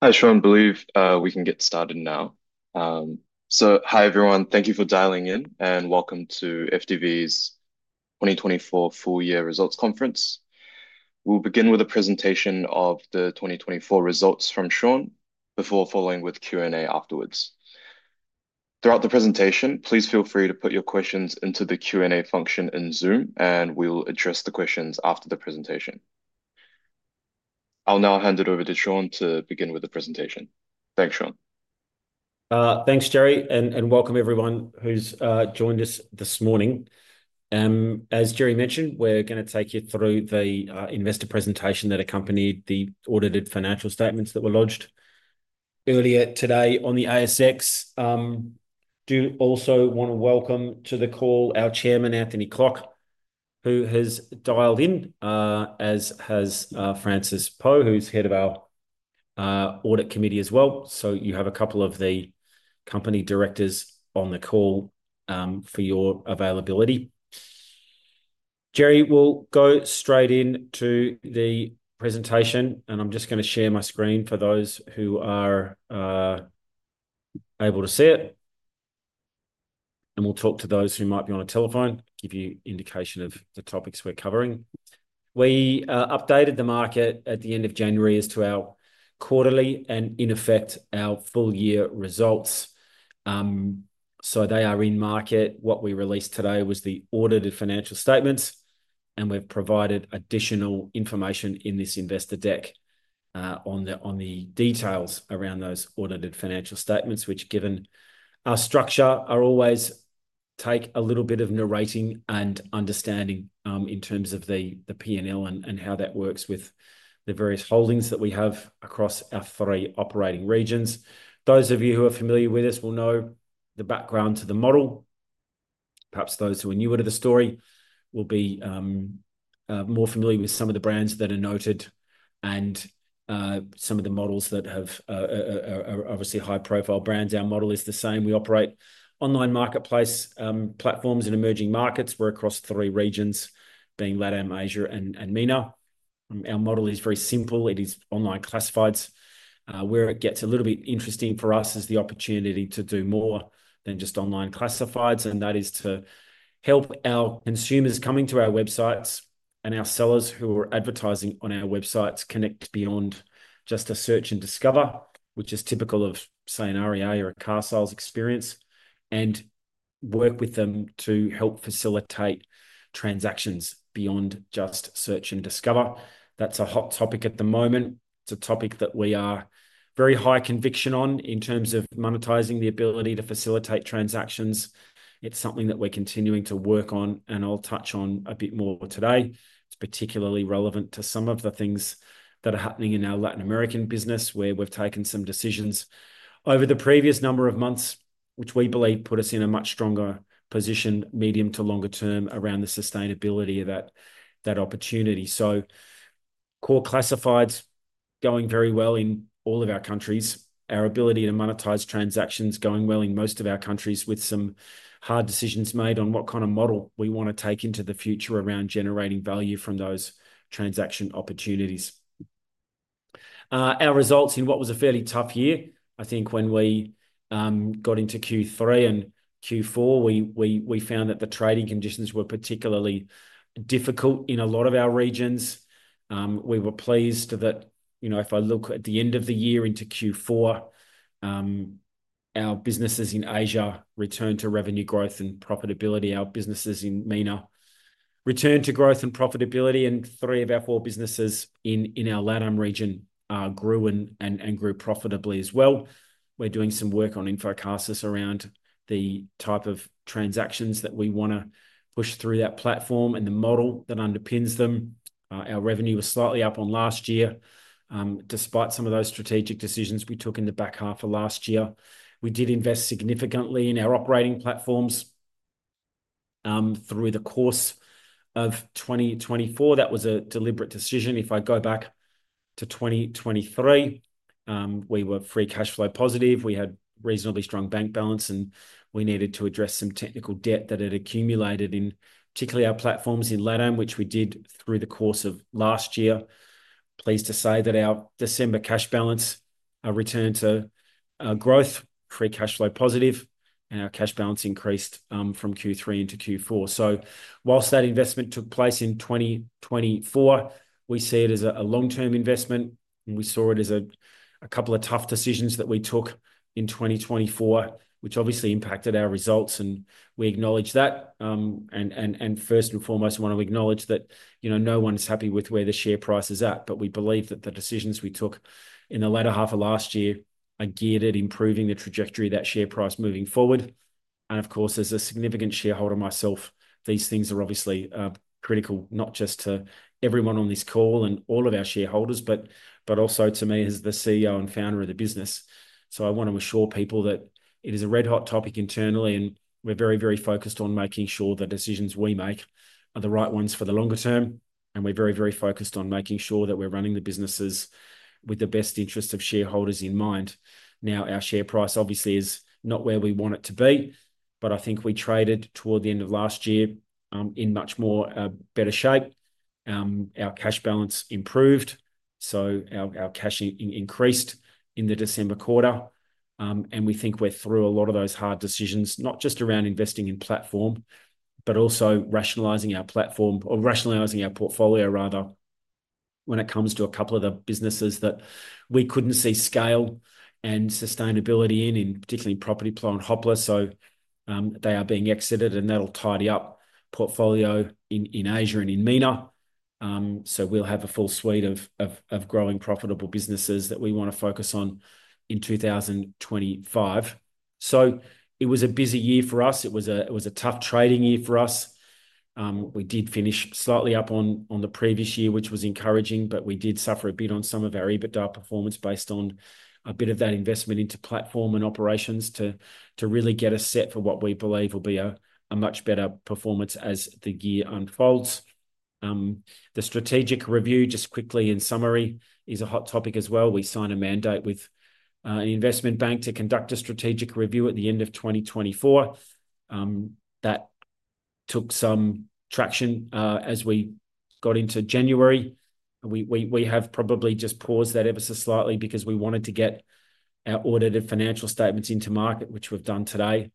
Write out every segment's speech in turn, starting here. Hi, Shaun. Believe we can get started now. Hi, everyone. Thank you for dialing in, and welcome to FDV's 2024 full year results conference. We'll begin with a presentation of the 2024 results from Shaun before following with Q&A afterwards. Throughout the presentation, please feel free to put your questions into the Q&A function in Zoom, and we'll address the questions after the presentation. I'll now hand it over to Shaun to begin with the presentation. Thanks, Shaun. Thanks, Jerry, and welcome everyone who's joined us this morning. As Jerry mentioned, we're gonna take you through the investor presentation that accompanied the audited financial statements that were lodged earlier today on the ASX. I do also want to welcome to the call our Chairman, Anthony Klok, who has dialed in, as has Frances Po, who's Head of our Audit Committee as well. You have a couple of the company directors on the call for your availability. Jerry, we'll go straight into the presentation, and I'm just gonna share my screen for those who are able to see it. We'll talk to those who might be on a telephone, give you indication of the topics we're covering. We updated the market at the end of January as to our quarterly and, in effect, our full year results. They are in market. What we released today was the audited financial statements, and we've provided additional information in this investor deck, on the details around those audited financial statements, which, given our structure, always take a little bit of narrating and understanding, in terms of the P&L and how that works with the various holdings that we have across our three operating regions. Those of you who are familiar with us will know the background to the model. Perhaps those who are newer to the story will be more familiar with some of the brands that are noted and some of the models that have obviously high-profile brands. Our model is the same. We operate online marketplace platforms in emerging markets. We're across three regions, being LATAM, Asia, and MENA. Our model is very simple. It is online classifieds. Where it gets a little bit interesting for us is the opportunity to do more than just online classifieds, and that is to help our consumers coming to our websites and our sellers who are advertising on our websites connect beyond just a search and discover, which is typical of, say, an REA or a Carsales experience, and work with them to help facilitate transactions beyond just search and discover. That's a hot topic at the moment. It's a topic that we are very high conviction on in terms of monetizing the ability to facilitate transactions. It's something that we're continuing to work on, and I'll touch on a bit more today. It's particularly relevant to some of the things that are happening in our Latin American business where we've taken some decisions over the previous number of months, which we believe put us in a much stronger position, medium to longer term, around the sustainability of that opportunity. Core classifieds going very well in all of our countries, our ability to monetize transactions going well in most of our countries with some hard decisions made on what kind of model we wanna take into the future around generating value from those transaction opportunities. Our results in what was a fairly tough year, I think when we got into Q3 and Q4, we found that the trading conditions were particularly difficult in a lot of our regions. We were pleased that, you know, if I look at the end of the year into Q4, our businesses in Asia returned to revenue growth and profitability. Our businesses in MENA returned to growth and profitability, and three of our four businesses in our LATAM region grew and grew profitably as well. We're doing some work on InfoCasas around the type of transactions that we wanna push through that platform and the model that underpins them. Our revenue was slightly up on last year, despite some of those strategic decisions we took in the back half of last year. We did invest significantly in our operating platforms through the course of 2024. That was a deliberate decision. If I go back to 2023, we were free cash flow positive. We had reasonably strong bank balance, and we needed to address some technical debt that had accumulated in particularly our platforms in LATAM, which we did through the course of last year. Pleased to say that our December cash balance returned to growth, free cash flow positive, and our cash balance increased from Q3 into Q4. Whilst that investment took place in 2024, we see it as a long-term investment, and we saw it as a couple of tough decisions that we took in 2024, which obviously impacted our results, and we acknowledge that. First and foremost, I wanna acknowledge that, you know, no one's happy with where the share price is at, but we believe that the decisions we took in the latter half of last year are geared at improving the trajectory of that share price moving forward. Of course, as a significant shareholder myself, these things are obviously critical not just to everyone on this call and all of our shareholders, but also to me as the CEO and founder of the business. I wanna assure people that it is a red-hot topic internally, and we're very, very focused on making sure the decisions we make are the right ones for the longer term, and we're very, very focused on making sure that we're running the businesses with the best interests of shareholders in mind. Now, our share price obviously is not where we want it to be, but I think we traded toward the end of last year in much more, better shape. Our cash balance improved, so our cash increased in the December quarter. We think we're through a lot of those hard decisions, not just around investing in platform, but also rationalizing our portfolio when it comes to a couple of the businesses that we couldn't see scale and sustainability in, particularly in PropertyPro and Hoppler. They are being exited, and that'll tidy up portfolio in Asia and in MENA. We will have a full suite of growing profitable businesses that we wanna focus on in 2025. It was a busy year for us. It was a tough trading year for us. We did finish slightly up on the previous year, which was encouraging, but we did suffer a bit on some of our EBITDA performance based on a bit of that investment into platform and operations to really get a set for what we believe will be a much better performance as the year unfolds. The strategic review, just quickly in summary, is a hot topic as well. We signed a mandate with an investment bank to conduct a strategic review at the end of 2024. That took some traction as we got into January. We have probably just paused that ever so slightly because we wanted to get our audited financial statements into market, which we have done today,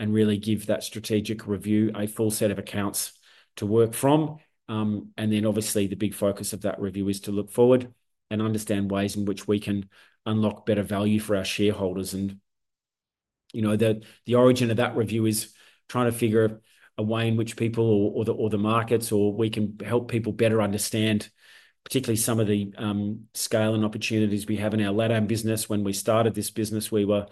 and really give that strategic review a full set of accounts to work from. Obviously, the big focus of that review is to look forward and understand ways in which we can unlock better value for our shareholders. You know, the origin of that review is trying to figure a way in which people, or the markets, or we can help people better understand, particularly some of the scale and opportunities we have in our LATAM business. When we started this business, we were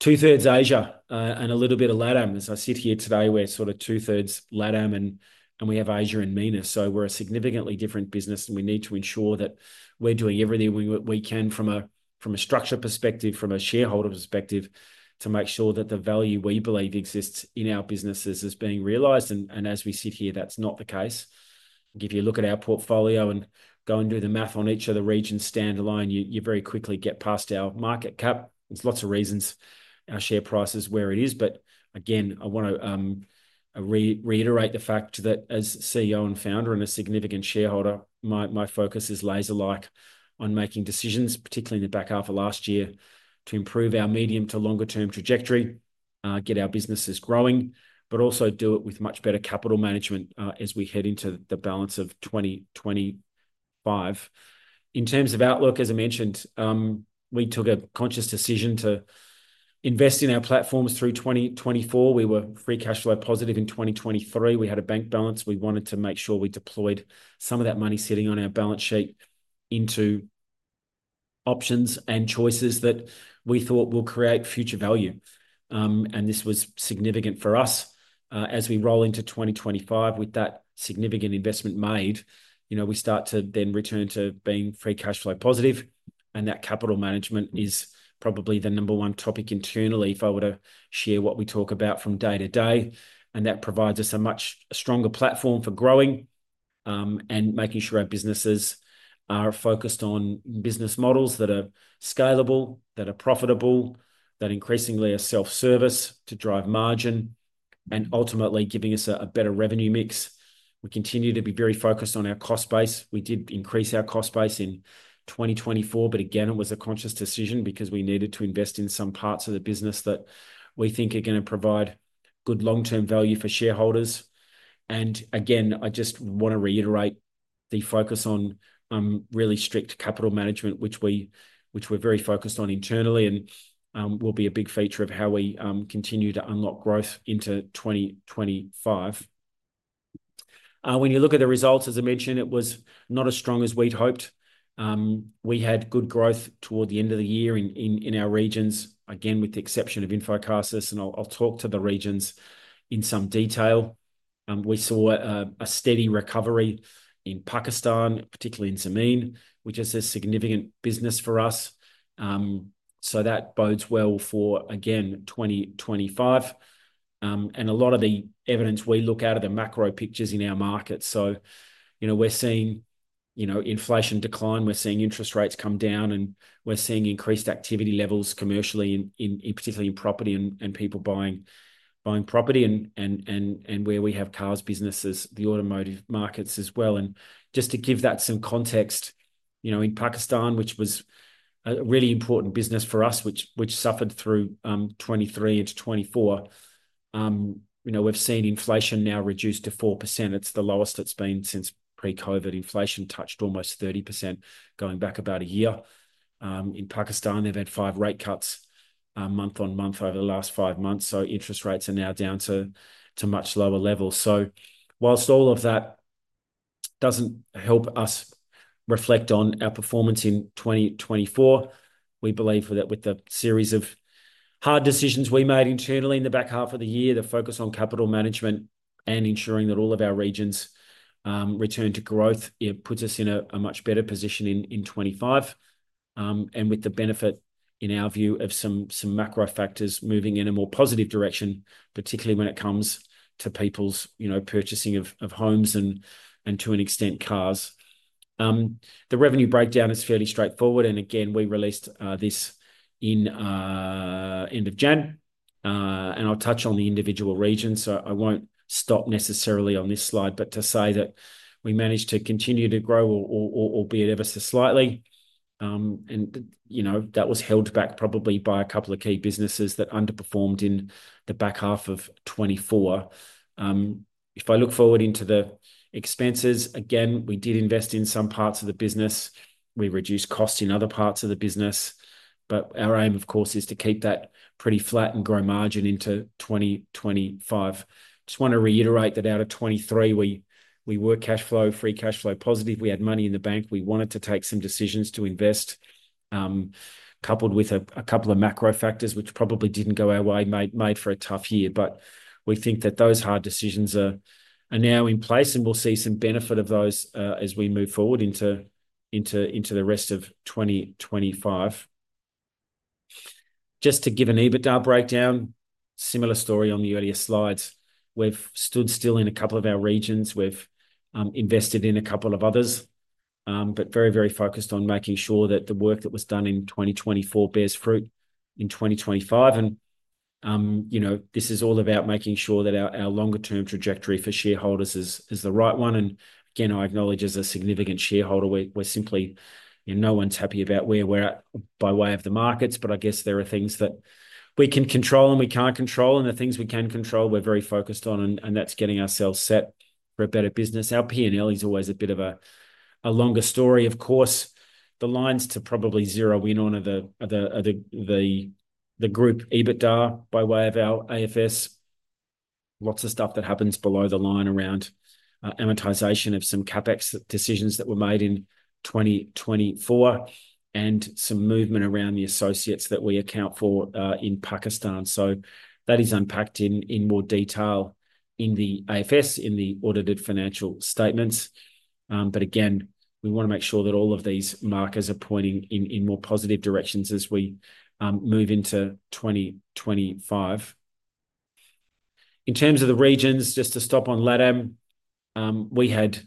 two-thirds Asia and a little bit of LATAM. As I sit here today, we're sort of two-thirds LATAM, and we have Asia and MENA. We are a significantly different business, and we need to ensure that we're doing everything we can from a structure perspective, from a shareholder perspective, to make sure that the value we believe exists in our businesses is being realized. As we sit here, that's not the case. If you look at our portfolio and go and do the math on each of the regions standalone, you very quickly get past our market cap. There are lots of reasons our share price is where it is. Again, I want to reiterate the fact that as CEO and founder and a significant shareholder, my focus is laser-like on making decisions, particularly in the back half of last year, to improve our medium to longer-term trajectory, get our businesses growing, but also do it with much better capital management, as we head into the balance of 2025. In terms of outlook, as I mentioned, we took a conscious decision to invest in our platforms through 2024. We were free cash flow positive in 2023. We had a bank balance. We wanted to make sure we deployed some of that money sitting on our balance sheet into options and choices that we thought will create future value. This was significant for us, as we roll into 2025 with that significant investment made. You know, we start to then return to being free cash flow positive, and that capital management is probably the number one topic internally if I were to share what we talk about from day-to-day. That provides us a much stronger platform for growing, and making sure our businesses are focused on business models that are scalable, that are profitable, that increasingly are self-service to drive margin, and ultimately giving us a, a better revenue mix. We continue to be very focused on our cost base. We did increase our cost base in 2024, but again, it was a conscious decision because we needed to invest in some parts of the business that we think are gonna provide good long-term value for shareholders. I just want to reiterate the focus on really strict capital management, which we are very focused on internally and will be a big feature of how we continue to unlock growth into 2025. When you look at the results, as I mentioned, it was not as strong as we had hoped. We had good growth toward the end of the year in our regions, with the exception of InfoCasas, and I will talk to the regions in some detail. We saw a steady recovery in Pakistan, particularly in Zameen, which is a significant business for us. That bodes well for 2025. A lot of the evidence we look at are the macro pictures in our market. You know, we're seeing, you know, inflation decline, we're seeing interest rates come down, and we're seeing increased activity levels commercially, particularly in property and people buying property, and where we have cars businesses, the automotive markets as well. Just to give that some context, you know, in Pakistan, which was a really important business for us, which suffered through 2023 into 2024, you know, we've seen inflation now reduced to 4%. It's the lowest it's been since pre-COVID. Inflation touched almost 30% going back about a year. In Pakistan, they've had five rate cuts, month on month over the last five months. Interest rates are now down to much lower levels. Whilst all of that does not help us reflect on our performance in 2024, we believe that with the series of hard decisions we made internally in the back half of the year, the focus on capital management and ensuring that all of our regions return to growth, it puts us in a much better position in 2025. With the benefit, in our view, of some macro factors moving in a more positive direction, particularly when it comes to people's, you know, purchasing of homes and, to an extent, cars. The revenue breakdown is fairly straightforward. Again, we released this in end of January, and I will touch on the individual region. I will not stop necessarily on this slide, but to say that we managed to continue to grow or beat ever so slightly. And you know, that was held back probably by a couple of key businesses that underperformed in the back half of 2024. If I look forward into the expenses, again, we did invest in some parts of the business. We reduced costs in other parts of the business, but our aim, of course, is to keep that pretty flat and grow margin into 2025. Just wanna reiterate that out of 2023, we, we were cash flow, free cash flow positive. We had money in the bank. We wanted to take some decisions to invest, coupled with a, a couple of macro factors, which probably didn't go our way, made for a tough year. We think that those hard decisions are, are now in place and we'll see some benefit of those, as we move forward into, into, into the rest of 2025. Just to give an EBITDA breakdown, similar story on the earlier slides. We've stood still in a couple of our regions. We've invested in a couple of others, but very, very focused on making sure that the work that was done in 2024 bears fruit in 2025. You know, this is all about making sure that our longer-term trajectory for shareholders is the right one. Again, I acknowledge as a significant shareholder, we're simply, you know, no one's happy about where we're at by way of the markets. I guess there are things that we can control and we can't control. The things we can control, we're very focused on, and that's getting ourselves set for a better business. Our P&L is always a bit of a longer story. Of course, the lines to probably zero in on are the group EBITDA by way of our AFS. Lots of stuff that happens below the line around amortization of some CapEx decisions that were made in 2024 and some movement around the associates that we account for in Pakistan. That is unpacked in more detail in the AFS, in the audited financial statements. Again, we wanna make sure that all of these markers are pointing in more positive directions as we move into 2025. In terms of the regions, just to stop on LATAM, we had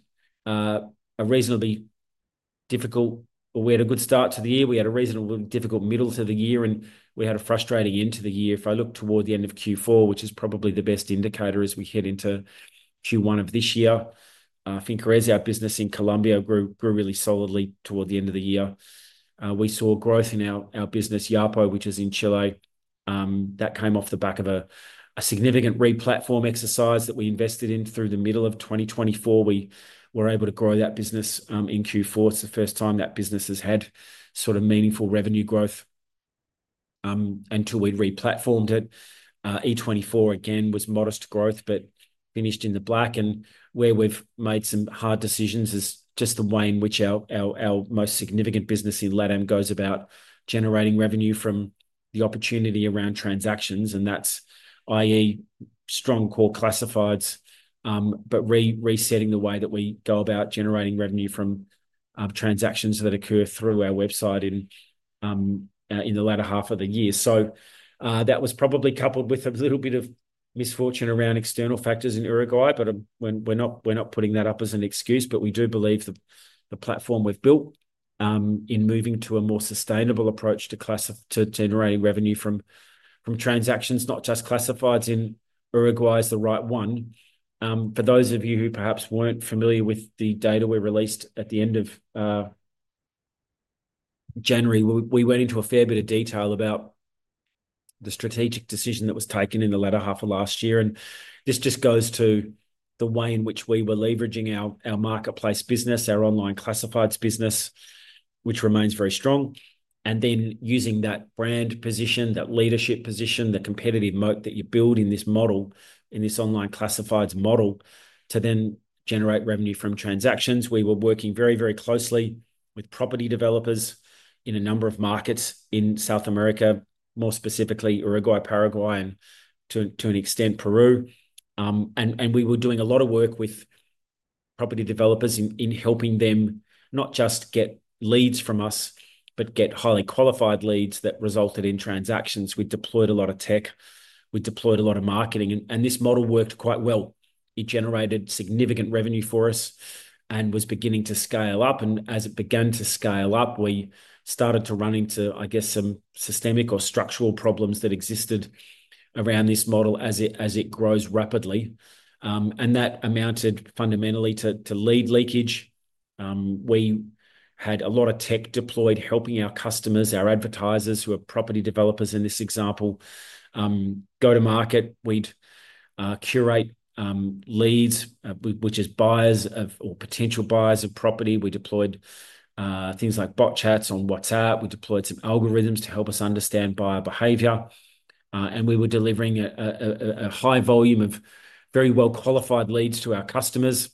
a reasonably difficult, we had a good start to the year. We had a reasonably difficult middle to the year, and we had a frustrating end to the year. If I look toward the end of Q4, which is probably the best indicator as we head into Q1 of this year, Fincaraíz, our business in Colombia, grew, grew really solidly toward the end of the year. We saw growth in our business, Yapo, which is in Chile. That came off the back of a significant re-platform exercise that we invested in through the middle of 2024. We were able to grow that business in Q4. It's the first time that business has had sort of meaningful revenue growth, until we re-platformed it. Encuentra24 again was modest growth, but finished in the black. Where we've made some hard decisions is just the way in which our most significant business in LATAM goes about generating revenue from the opportunity around transactions. That's i.e., strong core classifieds, but re-resetting the way that we go about generating revenue from transactions that occur through our website in the latter half of the year. That was probably coupled with a little bit of misfortune around external factors in Uruguay, but we're not putting that up as an excuse, but we do believe the platform we've built, in moving to a more sustainable approach to generating revenue from transactions, not just classifieds in Uruguay, is the right one. For those of you who perhaps weren't familiar with the data we released at the end of January, we went into a fair bit of detail about the strategic decision that was taken in the latter half of last year. This just goes to the way in which we were leveraging our marketplace business, our online classifieds business, which remains very strong. Then using that brand position, that leadership position, the competitive moat that you build in this model, in this online classifieds model to then generate revenue from transactions. We were working very, very closely with property developers in a number of markets in South America, more specifically Uruguay, Paraguay, and to an extent Peru. We were doing a lot of work with property developers in helping them not just get leads from us, but get highly qualified leads that resulted in transactions. We deployed a lot of tech, we deployed a lot of marketing, and this model worked quite well. It generated significant revenue for us and was beginning to scale up. As it began to scale up, we started to run into, I guess, some systemic or structural problems that existed around this model as it grows rapidly. That amounted fundamentally to lead leakage. We had a lot of tech deployed helping our customers, our advertisers who are property developers in this example, go to market. We'd curate leads, which is buyers of or potential buyers of property. We deployed things like bot chats on WhatsApp. We deployed some algorithms to help us understand buyer behavior. We were delivering a high volume of very well qualified leads to our customers.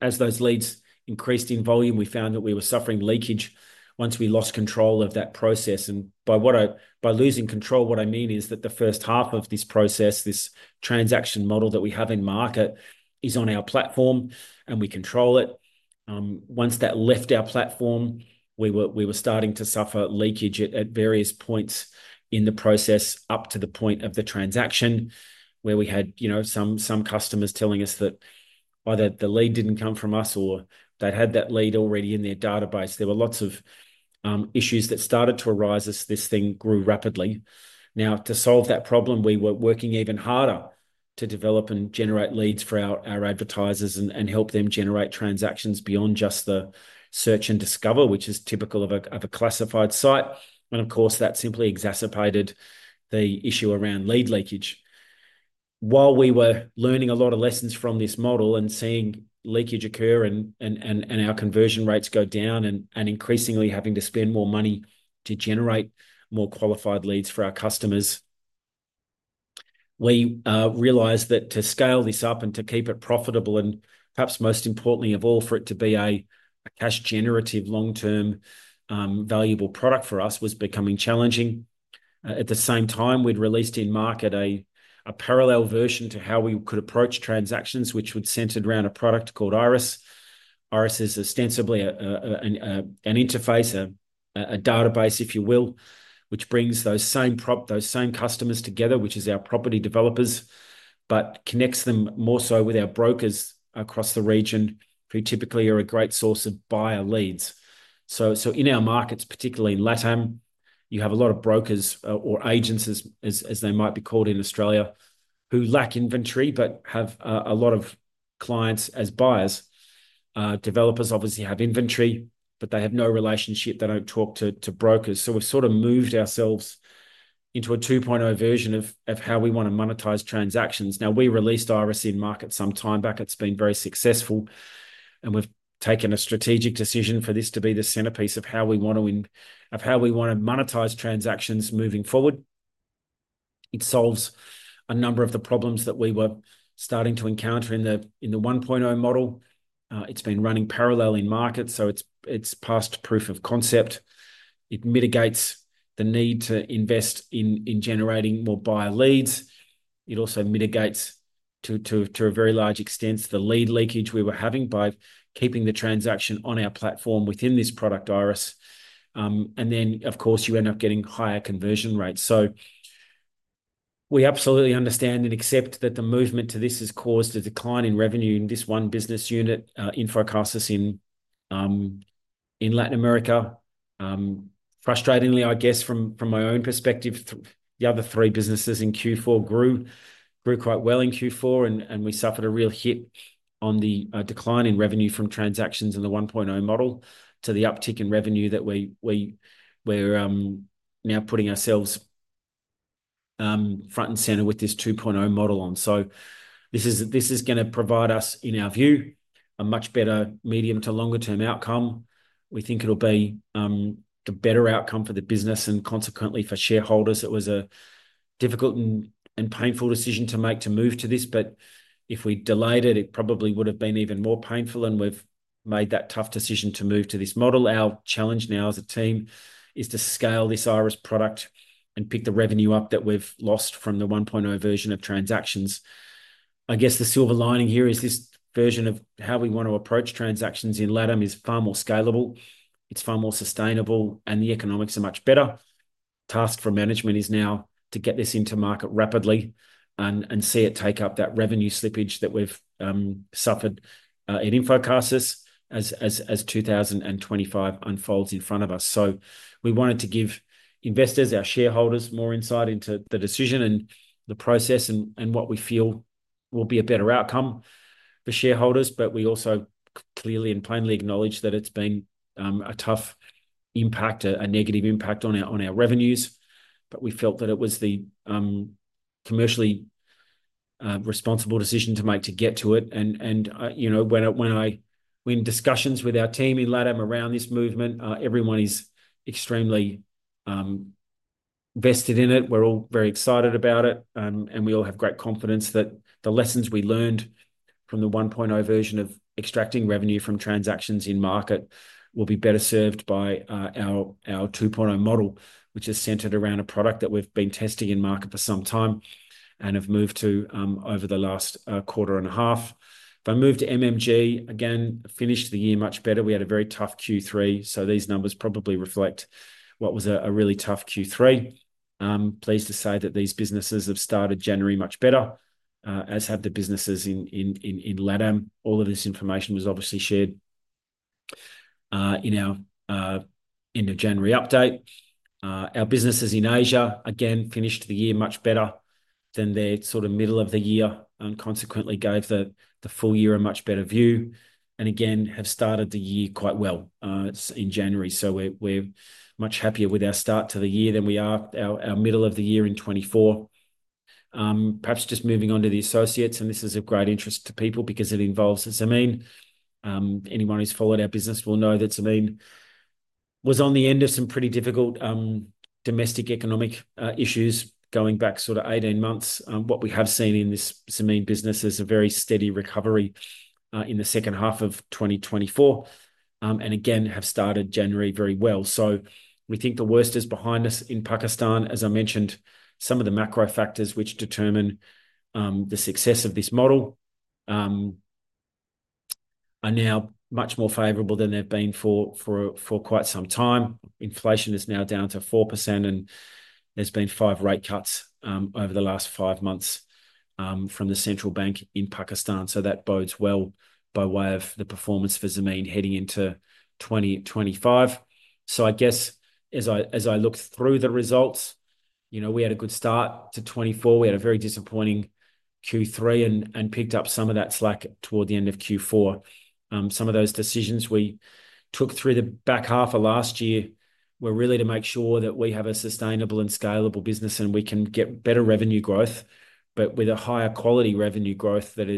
As those leads increased in volume, we found that we were suffering leakage once we lost control of that process. By what I, by losing control, what I mean is that the first half of this process, this transaction model that we have in market is on our platform and we control it. Once that left our platform, we were starting to suffer leakage at various points in the process up to the point of the transaction where we had, you know, some customers telling us that either the lead did not come from us or they had that lead already in their database. There were lots of issues that started to arise as this thing grew rapidly. Now, to solve that problem, we were working even harder to develop and generate leads for our advertisers and help them generate transactions beyond just the search and discover, which is typical of a classified site. Of course, that simply exacerbated the issue around lead leakage. While we were learning a lot of lessons from this model and seeing leakage occur and our conversion rates go down and increasingly having to spend more money to generate more qualified leads for our customers, we realized that to scale this up and to keep it profitable and perhaps most importantly of all, for it to be a cash generative long-term, valuable product for us was becoming challenging. At the same time, we'd released in market a parallel version to how we could approach transactions, which was centered around a product called Iris. Iris is ostensibly an interface, a database, if you will, which brings those same customers together, which is our property developers, but connects them more so with our brokers across the region, who typically are a great source of buyer leads. In our markets, particularly in LATAM, you have a lot of brokers or agencies, as they might be called in Australia, who lack inventory but have a lot of clients as buyers. Developers obviously have inventory, but they have no relationship. They do not talk to brokers. We have sort of moved ourselves into a 2.0 version of how we want to monetize transactions. We released Iris in market some time back. It's been very successful, and we've taken a strategic decision for this to be the centerpiece of how we wanna win, of how we wanna monetize transactions moving forward. It solves a number of the problems that we were starting to encounter in the 1.0 model. It's been running parallel in markets, so it's past proof of concept. It mitigates the need to invest in generating more buyer leads. It also mitigates to a very large extent the lead leakage we were having by keeping the transaction on our platform within this product, Iris. Of course, you end up getting higher conversion rates. We absolutely understand and accept that the movement to this has caused a decline in revenue in this one business unit, InfoCasas in Latin America. Frustratingly, I guess from my own perspective, the other three businesses in Q4 grew quite well in Q4, and we suffered a real hit on the decline in revenue from transactions in the 1.0 model to the uptick in revenue that we, we're now putting ourselves front and center with this 2.0 model on. This is going to provide us, in our view, a much better medium to longer term outcome. We think it'll be the better outcome for the business and consequently for shareholders. It was a difficult and painful decision to make to move to this, but if we delayed it, it probably would've been even more painful. We've made that tough decision to move to this model. Our challenge now as a team is to scale this Iris product and pick the revenue up that we've lost from the 1.0 version of transactions. I guess the silver lining here is this version of how we wanna approach transactions in LATAM is far more scalable. It's far more sustainable, and the economics are much better. Task for management is now to get this into market rapidly and see it take up that revenue slippage that we've suffered in InfoCasas as 2025 unfolds in front of us. We wanted to give investors, our shareholders, more insight into the decision and the process and what we feel will be a better outcome for shareholders. We also clearly and plainly acknowledge that it's been a tough impact, a negative impact on our revenues. We felt that it was the, commercially, responsible decision to make to get to it. You know, when I, when discussions with our team in LATAM around this movement, everyone is extremely vested in it. We're all very excited about it, and we all have great confidence that the lessons we learned from the 1.0 version of extracting revenue from transactions in market will be better served by our 2.0 model, which is centered around a product that we've been testing in market for some time and have moved to over the last quarter and a half. If I moved to MMG again, finished the year much better. We had a very tough Q3, so these numbers probably reflect what was a really tough Q3. Pleased to say that these businesses have started January much better, as have the businesses in LATAM. All of this information was obviously shared in our end of January update. Our businesses in Asia again finished the year much better than their sort of middle of the year and consequently gave the full year a much better view and again have started the year quite well in January. We are much happier with our start to the year than we are our middle of the year in 2024. Perhaps just moving on to the associates, and this is of great interest to people because it involves Zameen. Anyone who's followed our business will know that Zameen was on the end of some pretty difficult domestic economic issues going back sort of 18 months. What we have seen in this Zameen business is a very steady recovery in the second half of 2024, and again, have started January very well. We think the worst is behind us in Pakistan. As I mentioned, some of the macro factors which determine the success of this model are now much more favorable than they've been for quite some time. Inflation is now down to 4%, and there have been five rate cuts over the last five months from the central bank in Pakistan. That bodes well by way of the performance for Zameen heading into 2025. I guess as I look through the results, you know, we had a good start to 2024. We had a very disappointing Q3 and picked up some of that slack toward the end of Q4. Some of those decisions we took through the back half of last year were really to make sure that we have a sustainable and scalable business and we can get better revenue growth, but with a higher quality revenue growth that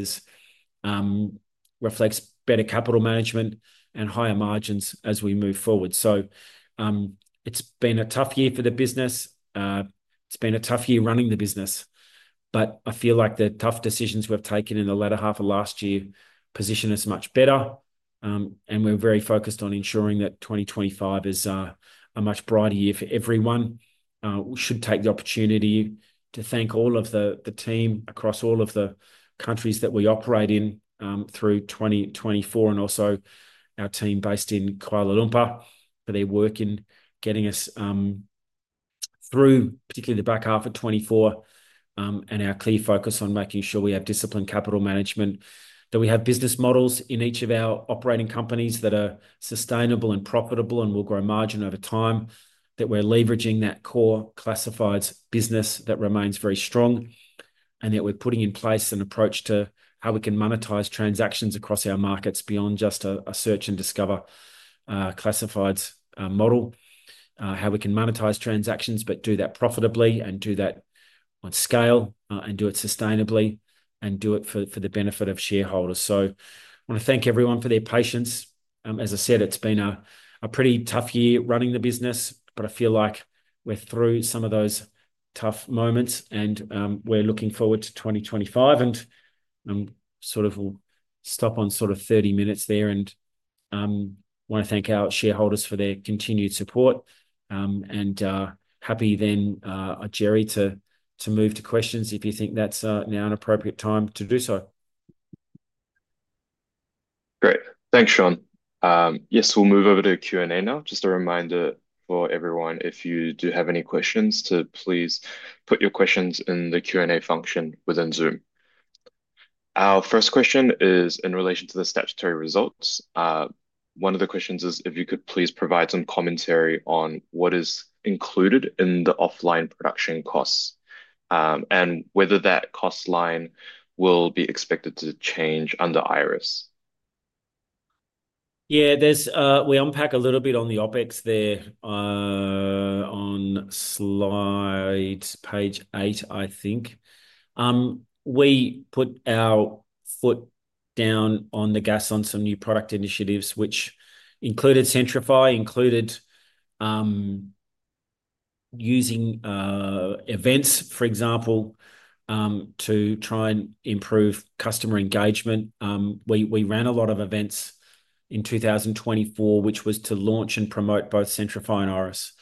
reflects better capital management and higher margins as we move forward. It has been a tough year for the business. It has been a tough year running the business, but I feel like the tough decisions we've taken in the latter half of last year position us much better. We are very focused on ensuring that 2025 is a much brighter year for everyone. We should take the opportunity to thank all of the team across all of the countries that we operate in, through 2024 and also our team based in Kuala Lumpur for their work in getting us through particularly the back half of 2024, and our clear focus on making sure we have disciplined capital management, that we have business models in each of our operating companies that are sustainable and profitable and will grow margin over time, that we're leveraging that core classifieds business that remains very strong and that we're putting in place an approach to how we can monetize transactions across our markets beyond just a search and discover classifieds model, how we can monetize transactions, but do that profitably and do that on scale, and do it sustainably and do it for the benefit of shareholders. I want to thank everyone for their patience. As I said, it's been a pretty tough year running the business, but I feel like we're through some of those tough moments and we're looking forward to 2025 and we'll stop on 30 minutes there and want to thank our shareholders for their continued support. Happy then, Jerry, to move to questions if you think that's now an appropriate time to do so. Great. Thanks, Shaun. Yes, we'll move over to Q&A now. Just a reminder for everyone, if you do have any questions, to please put your questions in the Q&A function within Zoom. Our first question is in relation to the statutory results. One of the questions is if you could please provide some commentary on what is included in the offline production costs, and whether that cost line will be expected to change under Iris. Yeah, we unpack a little bit on the OpEx there, on slide page eight, I think. We put our foot down on the gas on some new product initiatives, which included Centrify, included, using, events, for example, to try and improve customer engagement. We ran a lot of events in 2024, which was to launch and promote both Centrify and Iris.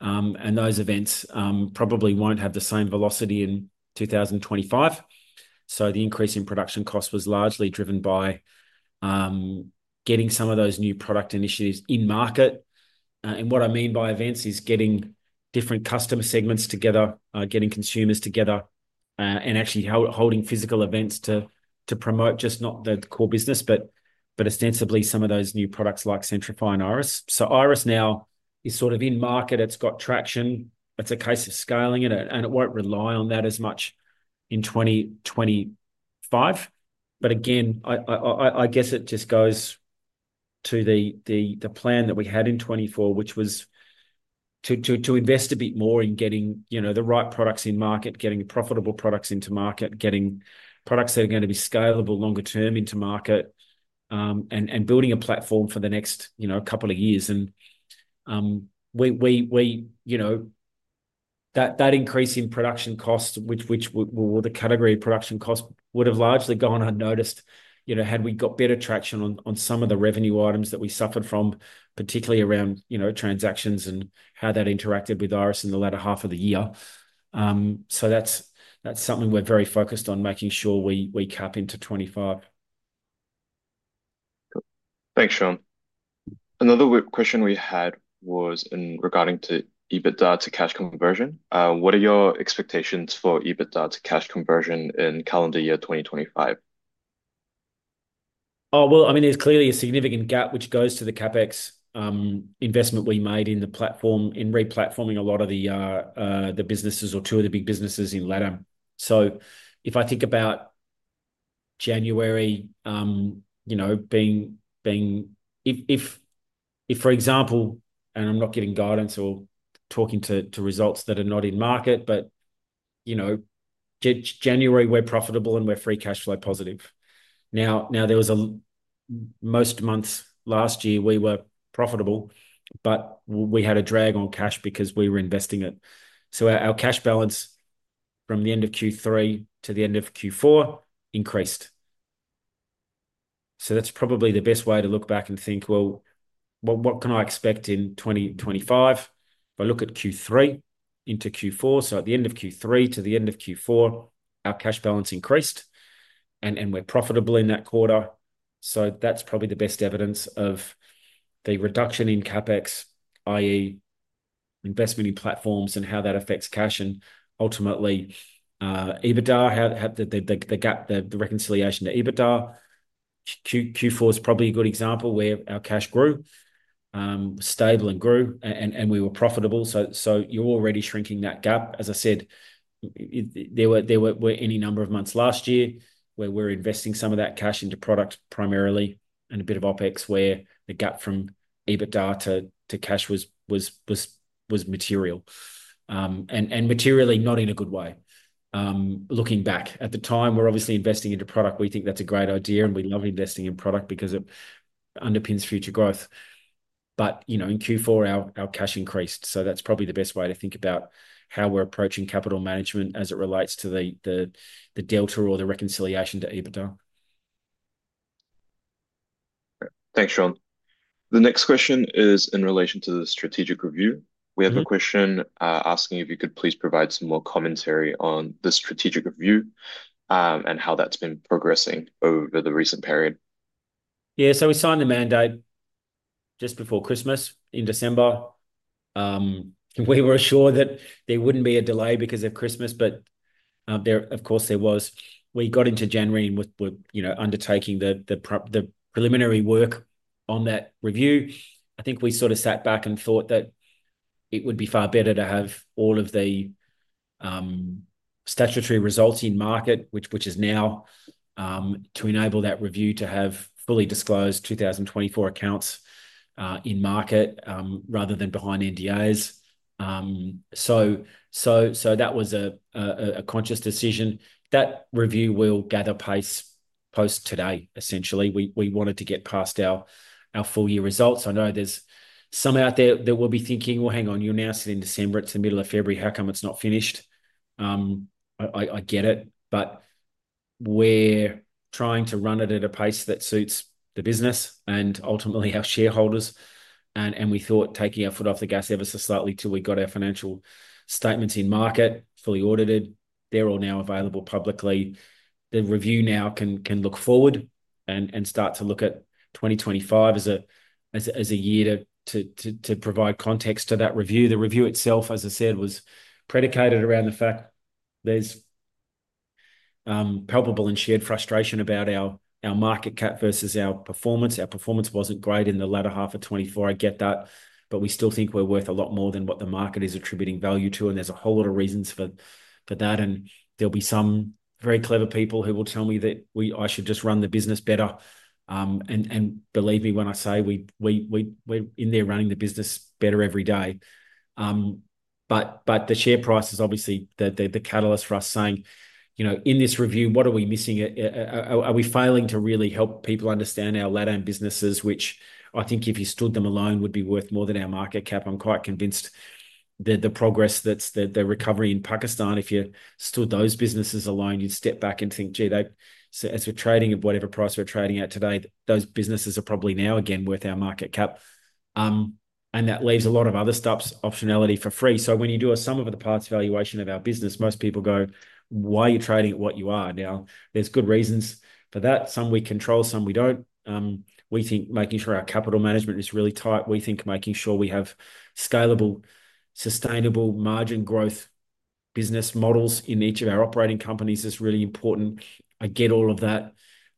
Those events probably won't have the same velocity in 2025. The increase in production costs was largely driven by getting some of those new product initiatives in market. What I mean by events is getting different customer segments together, getting consumers together, and actually holding physical events to promote just not the core business, but ostensibly some of those new products like Centrify and Iris. Iris now is sort of in market. It's got traction. It's a case of scaling it, and it won't rely on that as much in 2025. Again, I guess it just goes to the plan that we had in 2024, which was to invest a bit more in getting, you know, the right products in market, getting profitable products into market, getting products that are gonna be scalable longer term into market, and building a platform for the next, you know, couple of years. We, you know, that increase in production costs, which we, the category of production costs would've largely gone unnoticed, you know, had we got better traction on some of the revenue items that we suffered from, particularly around, you know, transactions and how that interacted with Iris in the latter half of the year. That's something we're very focused on making sure we cap into 2025. Thanks, Shaun. Another question we had was in regarding to EBITDA-to-cash conversion. What are your expectations for EBITDA-to-cash conversion in calendar year 2025? Oh, I mean, there's clearly a significant gap, which goes to the CapEx, investment we made in the platform in replatforming a lot of the businesses or two of the big businesses in LATAM. If I think about January, you know, being, being, if, if, if, for example, and I'm not giving guidance or talking to results that are not in market, but, you know, January, we're profitable and we're free cash flow positive. Now, there was a, most months last year we were profitable, but we had a drag on cash because we were investing it. Our cash balance from the end of Q3 to the end of Q4 increased. That's probably the best way to look back and think, what can I expect in 2025? If I look at Q3 into Q4, at the end of Q3 to the end of Q4, our cash balance increased and we were profitable in that quarter. That's probably the best evidence of the reduction in CapEx, i.e., investment in platforms and how that affects cash and ultimately, EBITDA, how the gap, the reconciliation to EBITDA Q4 is probably a good example where our cash grew, stable and grew and we were profitable. You are already shrinking that gap. As I said, there were any number of months last year where we're investing some of that cash into product primarily and a bit of OpEx where the gap from EBITDA-to-cash was material, and materially not in a good way. Looking back at the time, we're obviously investing into product. We think that's a great idea and we love investing in product because it underpins future growth. But, you know, in Q4, our cash increased. That is probably the best way to think about how we're approaching capital management as it relates to the delta or the reconciliation to EBITDA. Thanks, Shaun. The next question is in relation to the strategic review. We have a question, asking if you could please provide some more commentary on the strategic review, and how that's been progressing over the recent period. Yeah. We signed the mandate just before Christmas in December. We were sure that there wouldn't be a delay because of Christmas, but, of course, there was. We got into January and we're, you know, undertaking the preliminary work on that review. I think we sort of sat back and thought that it would be far better to have all of the statutory results in market, which is now, to enable that review to have fully disclosed 2024 accounts in market, rather than behind NDAs. That was a conscious decision. That review will gather pace post today. Essentially, we wanted to get past our full year results. I know there's some out there that will be thinking, well, hang on, you're now sitting in December, it's the middle of February, how come it's not finished? I get it, but we're trying to run it at a pace that suits the business and ultimately our shareholders. We thought taking our foot off the gas ever so slightly till we got our financial statements in market, fully audited, they're all now available publicly. The review now can look forward and start to look at 2025 as a year to provide context to that review. The review itself, as I said, was predicated around the fact there's palpable and shared frustration about our market cap versus our performance. Our performance wasn't great in the latter half of 2024. I get that, but we still think we're worth a lot more than what the market is attributing value to. And there's a whole lot of reasons for that. There'll be some very clever people who will tell me that I should just run the business better, and believe me when I say we're in there running the business better every day. But the share price is obviously the catalyst for us saying, you know, in this review, what are we missing? Are we failing to really help people understand our LATAM businesses, which I think if you stood them alone would be worth more than our market cap. I'm quite convinced that the progress that's the, the recovery in Pakistan, if you stood those businesses alone, you'd step back and think, gee, they, as we're trading at whatever price we're trading at today, those businesses are probably now again worth our market cap. That leaves a lot of other stops optionality for free. When you do a sum of the parts valuation of our business, most people go, why are you trading at what you are? Now there's good reasons for that. Some we control, some we don't. We think making sure our capital management is really tight. We think making sure we have scalable, sustainable margin growth business models in each of our operating companies is really important. I get all of that,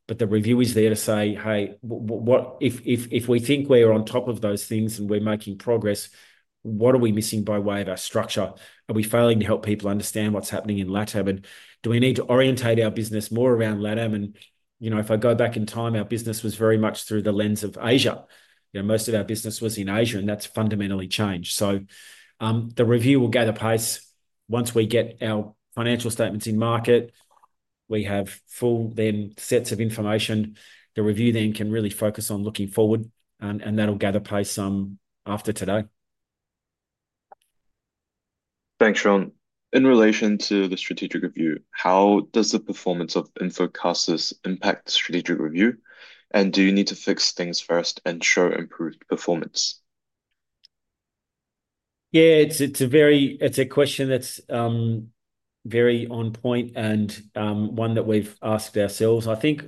but the review is there to say, hey, what if we think we are on top of those things and we are making progress, what are we missing by way of our structure? Are we failing to help people understand what's happening in LATAM? Do we need to orientate our business more around LATAM? You know, if I go back in time, our business was very much through the lens of Asia. You know, most of our business was in Asia and that's fundamentally changed. The review will gather pace once we get our financial statements in market. We have full then sets of information. The review then can really focus on looking forward and that'll gather pace some after today. Thanks, Shaun. In relation to the strategic review, how does the performance of InfoCasas impact the strategic review? And do you need to fix things first and show improved performance? Yeah, it's a very, it's a question that's very on point and one that we've asked ourselves. I think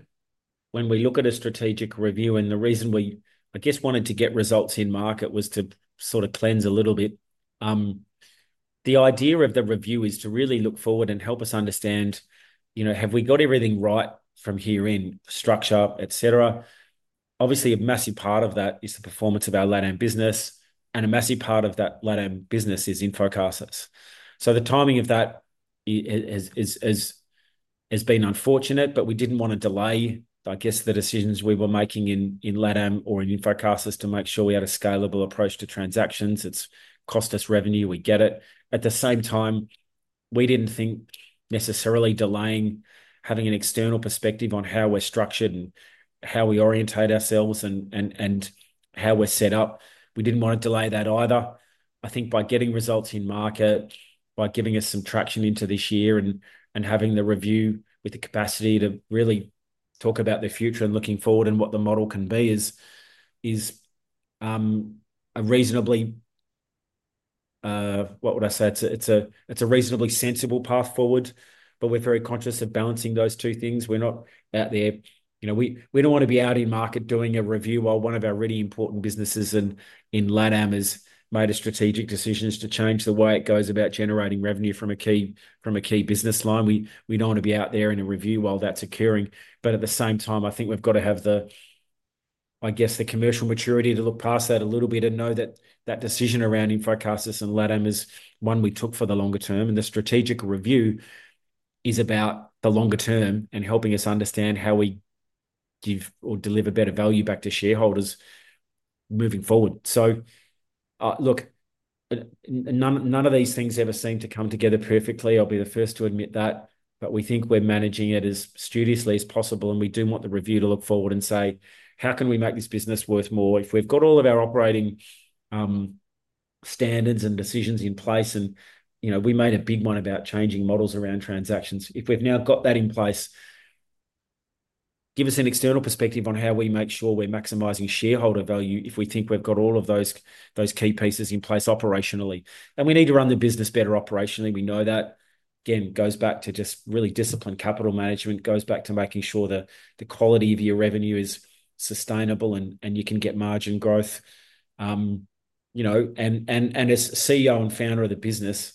when we look at a strategic review and the reason we, I guess, wanted to get results in market was to sort of cleanse a little bit. The idea of the review is to really look forward and help us understand, you know, have we got everything right from here in structure, et cetera. Obviously, a massive part of that is the performance of our LATAM business and a massive part of that LATAM business is InfoCasas. The timing of that has been unfortunate, but we didn't wanna delay, I guess, the decisions we were making in LATAM or in InfoCasas to make sure we had a scalable approach to transactions. It's cost us revenue. We get it. At the same time, we didn't think necessarily delaying having an external perspective on how we're structured and how we orientate ourselves and how we're set up. We didn't wanna delay that either. I think by getting results in market, by giving us some traction into this year and having the review with the capacity to really talk about the future and looking forward and what the model can be is a reasonably, what would I say? It's a reasonably sensible path forward, but we're very conscious of balancing those two things. We're not out there, you know, we don't wanna be out in market doing a review while one of our really important businesses in LATAM has made a strategic decision to change the way it goes about generating revenue from a key, from a key business line. We don't wanna be out there in a review while that's occurring. At the same time, I think we've gotta have the, I guess, the commercial maturity to look past that a little bit and know that that decision around InfoCasas and LATAM is one we took for the longer term. The strategic review is about the longer term and helping us understand how we give or deliver better value back to shareholders moving forward. None of these things ever seem to come together perfectly. I'll be the first to admit that, but we think we're managing it as studiously as possible. We do want the review to look forward and say, how can we make this business worth more if we've got all of our operating standards and decisions in place? You know, we made a big one about changing models around transactions. If we've now got that in place, give us an external perspective on how we make sure we're maximizing shareholder value if we think we've got all of those key pieces in place operationally. We need to run the business better operationally. We know that again goes back to just really disciplined capital management, goes back to making sure that the quality of your revenue is sustainable and, and you can get margin growth, you know, and, and, and as CEO and founder of the business,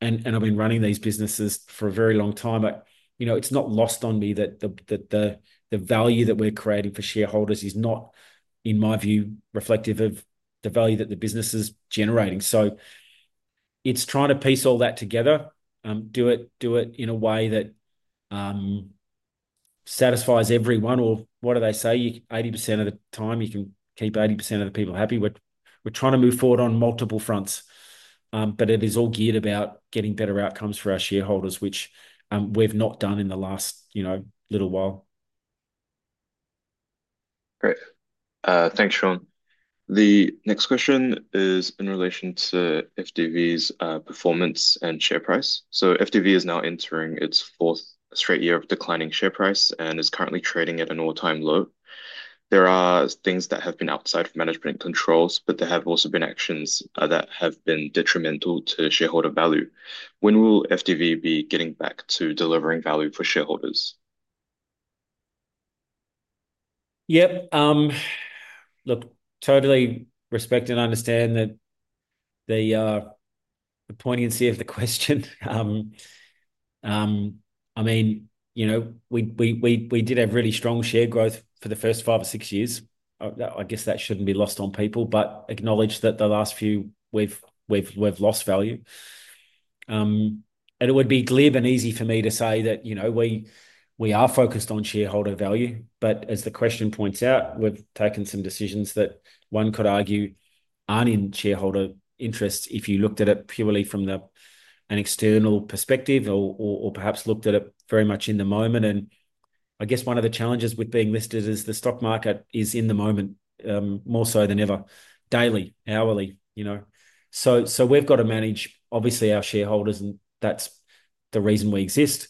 and, and I've been running these businesses for a very long time, but you know, it's not lost on me that the, that the, the value that we are creating for shareholders is not, in my view, reflective of the value that the business is generating. It's trying to piece all that together, do it, do it in a way that satisfies everyone or what do they say? You 80% of the time you can keep 80% of the people happy. We're trying to move forward on multiple fronts. but it is all geared about getting better outcomes for our shareholders, which, we've not done in the last, you know, little while. Great. Thanks, Shaun. The next question is in relation to FDV's, performance and share price. FDV is now entering its fourth straight year of declining share price and is currently trading at an all-time low. There are things that have been outside of management and controls, but there have also been actions that have been detrimental to shareholder value. When will FDV be getting back to delivering value for shareholders? Yep. Look, totally respect and understand that, the poignancy of the question, I mean, you know, we did have really strong share growth for the first five or six years. I guess that shouldn't be lost on people, but acknowledge that the last few we've lost value. It would be glib and easy for me to say that, you know, we, we are focused on shareholder value, but as the question points out, we've taken some decisions that one could argue aren't in shareholder interest if you looked at it purely from an external perspective or, or perhaps looked at it very much in the moment. I guess one of the challenges with being listed is the stock market is in the moment, more so than ever, daily, hourly, you know? We've gotta manage obviously our shareholders and that's the reason we exist.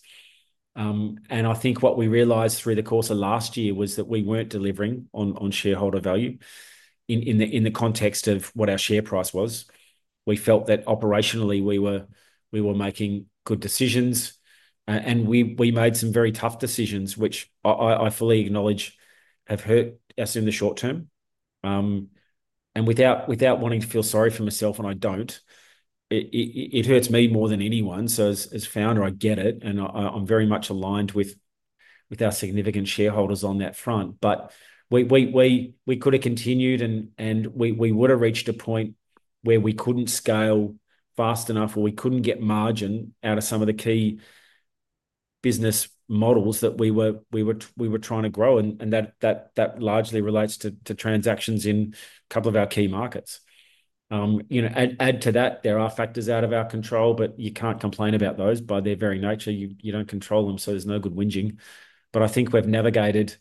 I think what we realized through the course of last year was that we weren't delivering on, on shareholder value in, in the, in the context of what our share price was. We felt that operationally we were, we were making good decisions. We made some very tough decisions, which I fully acknowledge have hurt us in the short term. Without wanting to feel sorry for myself, and I do not, it hurts me more than anyone. As founder, I get it. I am very much aligned with our significant shareholders on that front. We could have continued and we would have reached a point where we could not scale fast enough or we could not get margin out of some of the key business models that we were trying to grow. That largely relates to transactions in a couple of our key markets. You know, add to that, there are factors out of our control, but you cannot complain about those by their very nature. You do not control them, so there is no good whinging. I think we have navigated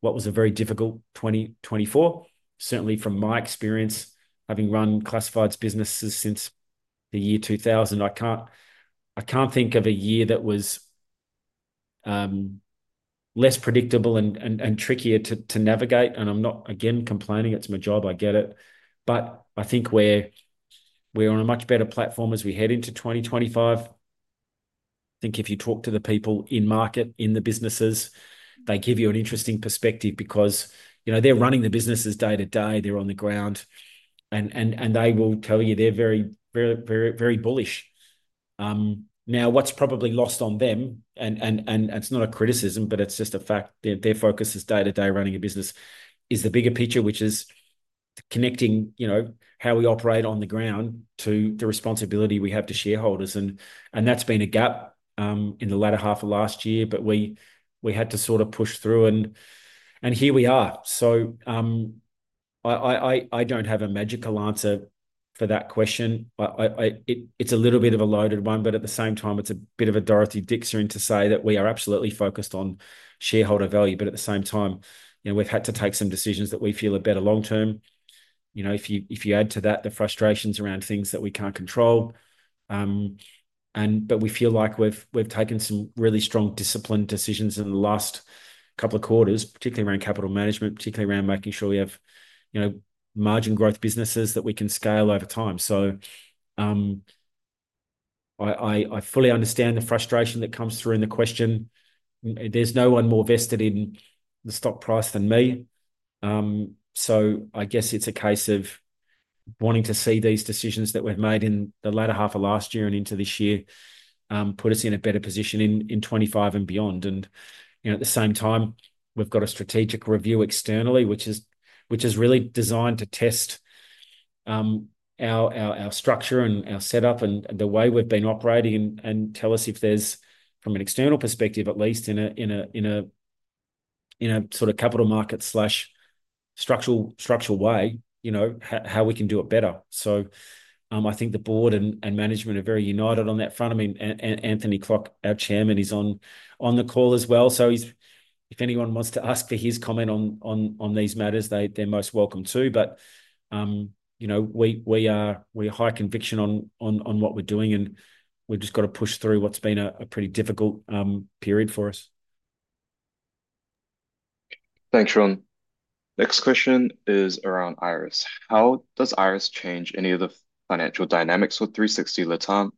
what was a very difficult 2024. Certainly from my experience, having run classifieds businesses since the year 2000, I cannot think of a year that was less predictable and trickier to navigate. I am not again complaining. It is my job, I get it. I think we are on a much better platform as we head into 2025. I think if you talk to the people in market, in the businesses, they give you an interesting perspective because, you know, they are running the businesses day-to-day. They are on the ground and they will tell you they are very, very, very, very bullish. Now, what's probably lost on them, and it's not a criticism, but it's just a fact, their focus is day-to-day running a business is the bigger picture, which is connecting, you know, how we operate on the ground to the responsibility we have to shareholders. That's been a gap in the latter half of last year, but we had to sort of push through, and here we are. I don't have a magical answer for that question. It's a little bit of a loaded one, but at the same time, it's a bit of a Dorothy Dixer to say that we are absolutely focused on shareholder value. At the same time, you know, we've had to take some decisions that we feel are better long-term. You know, if you add to that the frustrations around things that we can't control, and, but we feel like we've taken some really strong discipline decisions in the last couple of quarters, particularly around capital management, particularly around making sure we have, you know, margin growth businesses that we can scale over time. I fully understand the frustration that comes through in the question. There's no one more vested in the stock price than me. I guess it's a case of wanting to see these decisions that we've made in the latter half of last year and into this year, put us in a better position in 2025 and beyond. You know, at the same time, we've got a strategic review externally, which is really designed to test our structure and our setup and the way we've been operating and tell us if there's, from an external perspective, at least in a sort of capital market slash structural way, you know, how we can do it better. I think the board and management are very united on that front. I mean, Anthony Klok, our Chairman, is on the call as well. If anyone wants to ask for his comment on these matters, they're most welcome to. You know, we are high conviction on what we're doing and we've just gotta push through what's been a pretty difficult period for us. Thanks, Shaun. Next question is around Iris. How does Iris change any of the financial dynamics with 360 LATAM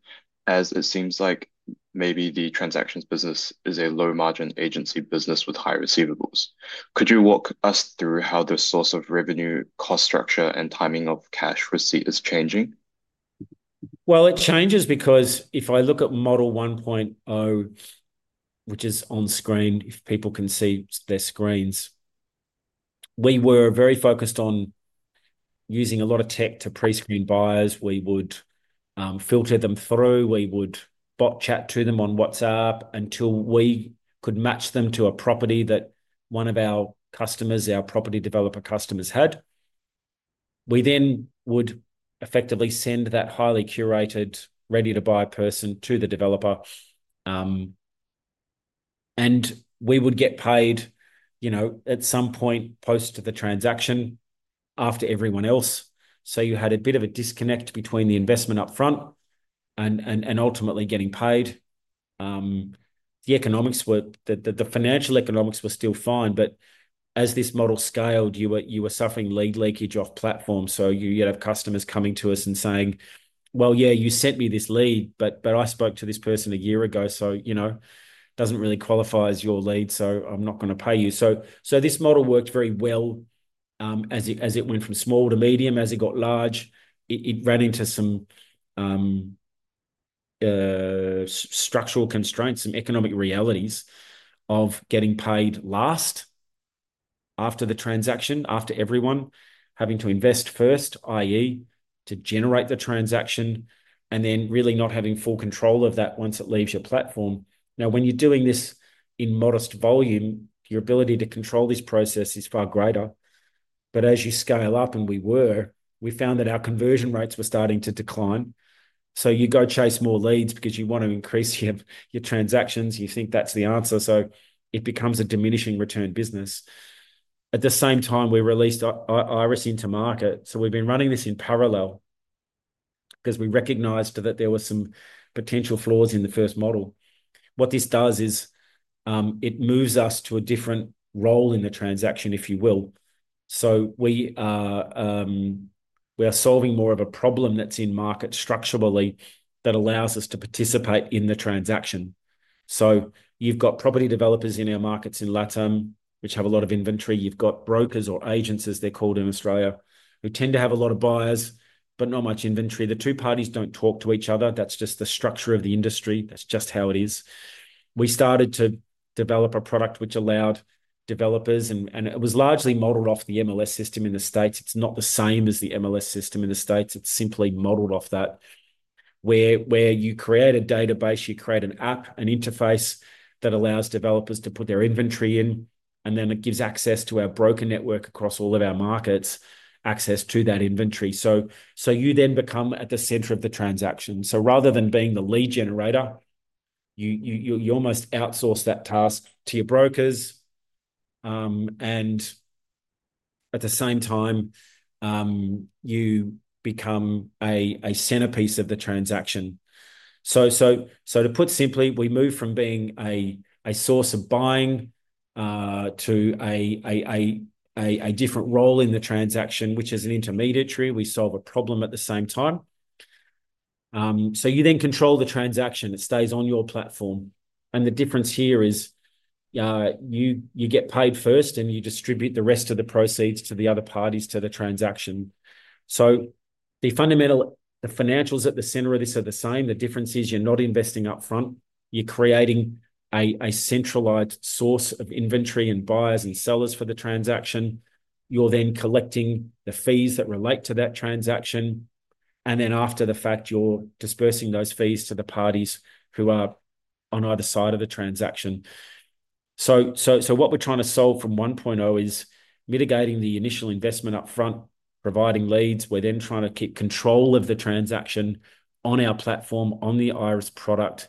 as it seems like maybe the transactions business is a low margin agency business with high receivables? Could you walk us through how the source of revenue, cost structure, and timing of cash receipt is changing? It changes because if I look at model 1.0, which is on screen, if people can see their screens, we were very focused on using a lot of tech to pre-screen buyers. We would filter them through. We would bot chat to them on WhatsApp until we could match them to a property that one of our customers, our property developer customers, had. We then would effectively send that highly curated, ready-to-buy person to the developer, and we would get paid, you know, at some point post the transaction after everyone else. You had a bit of a disconnect between the investment upfront and, and ultimately getting paid. The economics were that the, the financial economics were still fine, but as this model scaled, you were suffering lead leakage off platform. You'd have customers coming to us and saying, you know, you sent me this lead, but I spoke to this person a year ago, so, you know, doesn't really qualify as your lead, so I'm not gonna pay you. This model worked very well, as it went from small to medium, as it got large, it ran into some structural constraints, some economic realities of getting paid last after the transaction, after everyone having to invest first, i.e., to generate the transaction and then really not having full control of that once it leaves your platform. Now, when you're doing this in modest volume, your ability to control this process is far greater. As you scale up, and we were, we found that our conversion rates were starting to decline. You go chase more leads because you want to increase your transactions. You think that's the answer. It becomes a diminishing return business. At the same time, we released Iris into market. We have been running this in parallel 'cause we recognized that there were some potential flaws in the first model. What this does is, it moves us to a different role in the transaction, if you will. We are solving more of a problem that's in market structurally that allows us to participate in the transaction. You have got property developers in our markets in LATAM, which have a lot of inventory. You have got brokers or agents, as they are called in Australia, who tend to have a lot of buyers, but not much inventory. The two parties do not talk to each other. That is just the structure of the industry. That is just how it is. We started to develop a product which allowed developers, and it was largely modeled off the MLS system in the States. It is not the same as the MLS system in the States. It's simply modeled off that where you create a database, you create an app, an interface that allows developers to put their inventory in, and then it gives access to our broker network across all of our markets, access to that inventory. You then become at the center of the transaction. Rather than being the lead generator, you almost outsource that task to your brokers, and at the same time, you become a centerpiece of the transaction. To put simply, we move from being a source of buying to a different role in the transaction, which is an intermediary. We solve a problem at the same time, so you then control the transaction. It stays on your platform. The difference here is, you get paid first and you distribute the rest of the proceeds to the other parties to the transaction. The fundamental, the financials at the center of this are the same. The difference is you're not investing upfront. You're creating a centralized source of inventory and buyers and sellers for the transaction. You are then collecting the fees that relate to that transaction. After the fact, you are dispersing those fees to the parties who are on either side of the transaction. What we're trying to solve from 1.0 is mitigating the initial investment upfront, providing leads. We're then trying to keep control of the transaction on our platform, on the Iris product.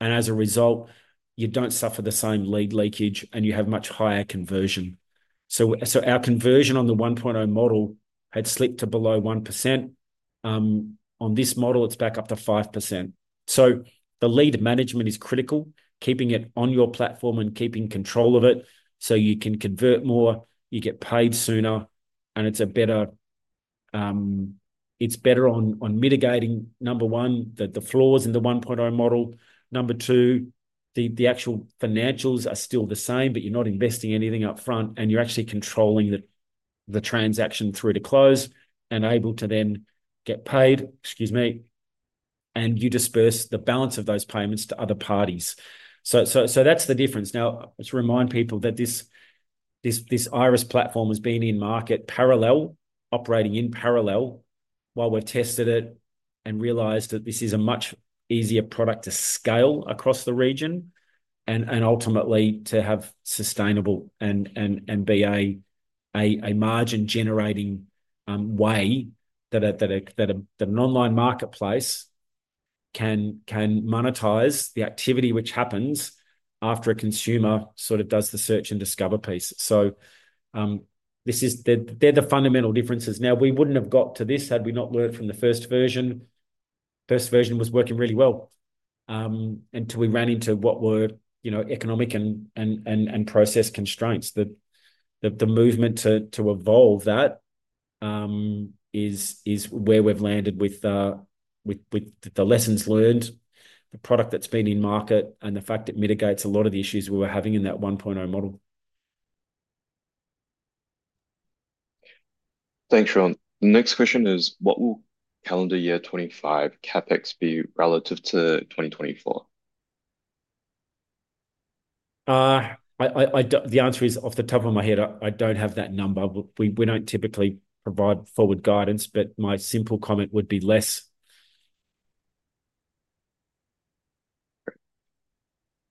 As a result, you don't suffer the same lead leakage and you have much higher conversion. Our conversion on the 1.0 model had slipped to below 1%. On this model, it's back up to 5%. The lead management is critical, keeping it on your platform and keeping control of it so you can convert more, you get paid sooner, and it's better on mitigating, number one, the flaws in the 1.0 model. Number two, the actual financials are still the same, but you're not investing anything upfront and you're actually controlling the transaction through to close and able to then get paid, excuse me, and you disperse the balance of those payments to other parties. That's the difference. Now, to remind people that this Iris platform has been in market parallel, operating in parallel while we've tested it and realized that this is a much easier product to scale across the region and ultimately to have sustainable and be a margin generating way that an online marketplace can monetize the activity which happens after a consumer sort of does the search and discover piece. These are the fundamental differences. We wouldn't have got to this had we not learned from the first version. First version was working really well, until we ran into what were, you know, economic and process constraints. The movement to evolve that is where we've landed with the lessons learned, the product that's been in market and the fact it mitigates a lot of the issues we were having in that 1.0 model. Thanks, Shaun. The next question is, what will calendar year 2025 CapEx be relative to 2024? I don't, the answer is off the top of my head. I don't have that number. We don't typically provide forward guidance, but my simple comment would be less.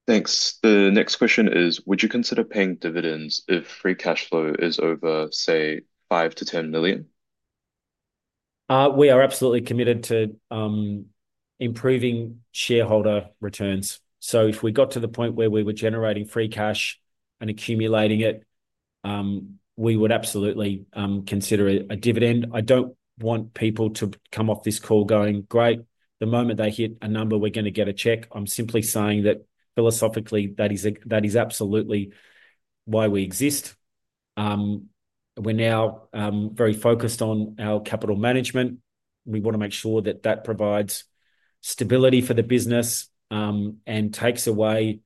Thanks. The next question is, would you consider paying dividends if free cash flow is over, say, 5 million-10 million? We are absolutely committed to improving shareholder returns. If we got to the point where we were generating free cash and accumulating it, we would absolutely consider a dividend. I don't want people to come off this call going, great, the moment they hit a number, we're gonna get a check. I'm simply saying that philosophically that is absolutely why we exist. We're now very focused on our capital management. We wanna make sure that that provides stability for the business, and takes away,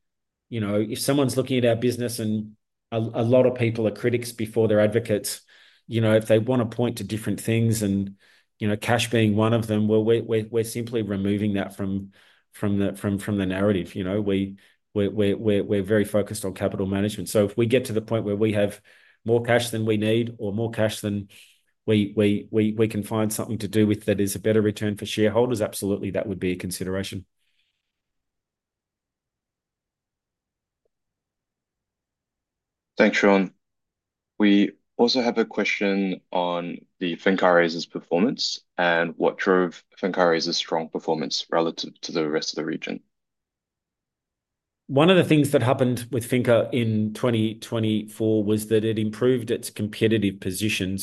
you know, if someone's looking at our business and a lot of people are critics before they're advocates, you know, if they wanna point to different things and, you know, cash being one of them, we're simply removing that from the narrative. You know, we're very focused on capital management. If we get to the point where we have more cash than we need or more cash than we can find something to do with that is a better return for shareholders, absolutely, that would be a consideration. Thanks, Shaun. We also have a question on the Fincaraíz performance and what drove Fincaraíz's strong performance relative to the rest of the region. One of the things that happened with Fincaraíz in 2024 was that it improved its competitive position.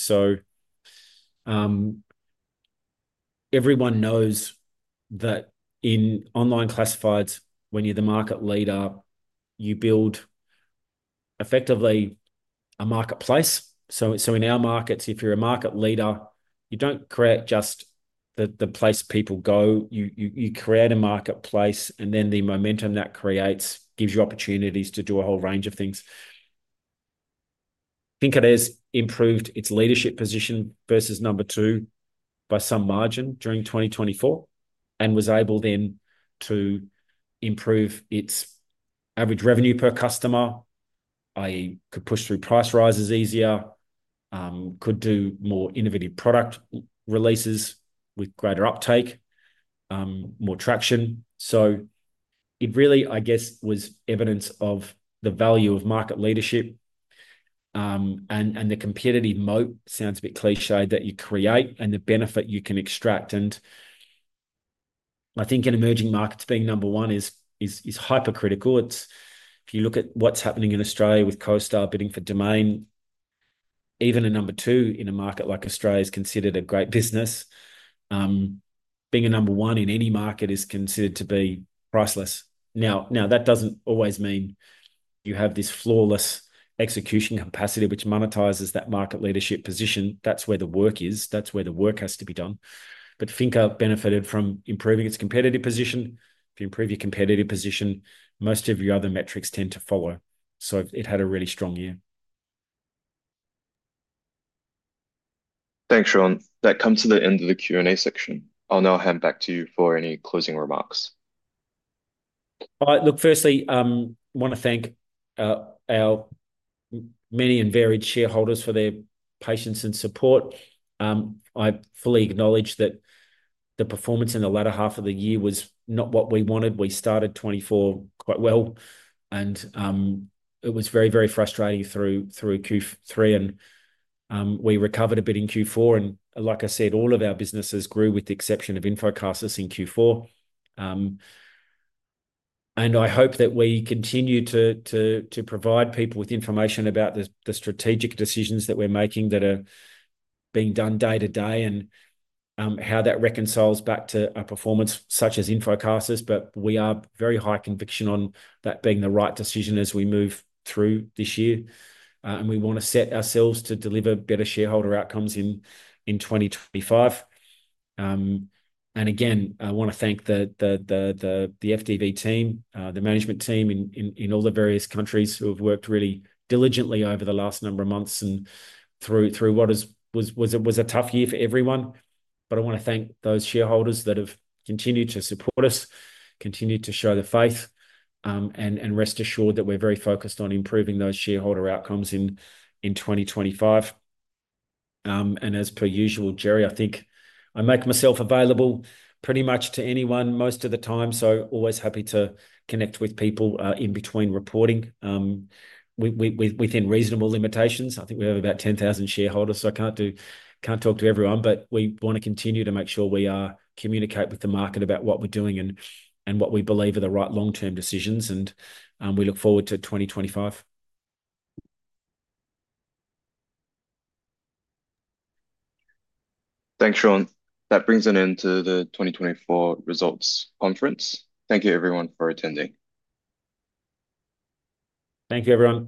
Everyone knows that in online classifieds, when you're the market leader, you build effectively a marketplace. In our markets, if you're a market leader, you do not create just the place people go. You create a marketplace and then the momentum that creates gives you opportunities to do a whole range of things. Fincaraíz has improved its leadership position versus number two by some margin during 2024 and was able then to improve its average revenue per customer, i.e., could push through price rises easier, could do more innovative product releases with greater uptake, more traction. It really, I guess, was evidence of the value of market leadership, and the competitive moat sounds a bit cliché that you create and the benefit you can extract. I think in emerging markets being number one is, is, is hypercritical. If you look at what's happening in Australia with CoStar bidding for Domain, even a number two in a market like Australia is considered a great business. Being a number one in any market is considered to be priceless. Now, that doesn't always mean you have this flawless execution capacity which monetizes that market leadership position. That's where the work is. That's where the work has to be done. Fincaraíz benefited from improving its competitive position. If you improve your competitive position, most of your other metrics tend to follow. It had a really strong year. Thanks, Shaun. That comes to the end of the Q&A section. I'll now hand back to you for any closing remarks. All right. Firstly, I wanna thank our many and varied shareholders for their patience and support. I fully acknowledge that the performance in the latter half of the year was not what we wanted. We started 2024 quite well and it was very, very frustrating through Q3. We recovered a bit in Q4. Like I said, all of our businesses grew with the exception of InfoCasas in Q4. I hope that we continue to provide people with information about the strategic decisions that we are making that are being done day-to-day, and how that reconciles back to our performance such as InfoCasas. We are very high conviction on that being the right decision as we move through this year. We want to set ourselves to deliver better shareholder outcomes in 2025. I want to thank the FDV team, the management team in all the various countries who have worked really diligently over the last number of months and through what was a tough year for everyone. I want to thank those shareholders that have continued to support us, continued to show the faith, and rest assured that we are very focused on improving those shareholder outcomes in 2025. As per usual, Jerry, I think I make myself available pretty much to anyone most of the time. Always happy to connect with people in between reporting, within reasonable limitations. I think we have about 10,000 shareholders, so I cannot talk to everyone, but we want to continue to make sure we communicate with the market about what we are doing and what we believe are the right long-term decisions. We look forward to 2025. Thanks, Shaun. That brings an end to the 2024 results conference. Thank you everyone for attending. Thank you, everyone.